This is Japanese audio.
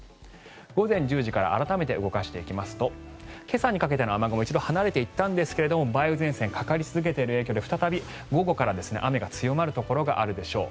午前１０時から改めて動かしていきますと今朝にかけての雨雲一度離れていったんですが梅雨前線かかり続けている状況で再び午後から雨が強まるところがあるでしょう。